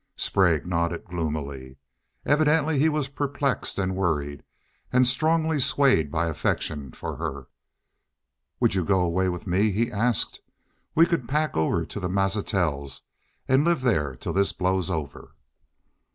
Sprague nodded gloomily. Evidently he was perplexed and worried, and strongly swayed by affection for her. "Would you go away with me?" he asked. "We could pack over to the Mazatzals an' live thar till this blows over."